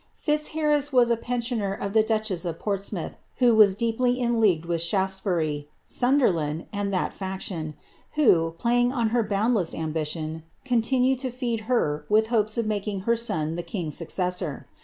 ' Fin liarris was a pensioner of the duchess of Portsmouth, who was dceplf cnleagued with Shaftesbur}*, Sunderland, and that faction, who, pUyinf on her boundless ambition, continued to feed her with hopes of makinf her t«on the king^s successor.